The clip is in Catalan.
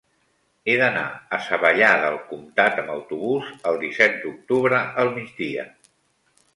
He d'anar a Savallà del Comtat amb autobús el disset d'octubre al migdia.